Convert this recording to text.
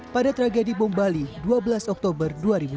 pada tragedi bom bali dua belas oktober dua ribu dua puluh